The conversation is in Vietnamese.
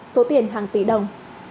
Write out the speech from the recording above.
số tiền hàng tỷ đồng